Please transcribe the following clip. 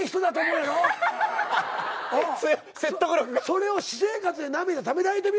それを私生活で涙ためられてみ